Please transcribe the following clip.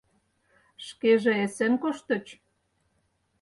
Шкеже эсен коштыч?